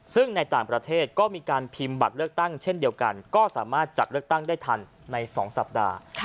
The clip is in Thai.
ซึ่งในต่างประเทศก็มีการพิมพ์บัตรเลือกตั้งเช่นเดียวกันก็สามารถจัดเลือกตั้งได้ทันใน๒สัปดาห์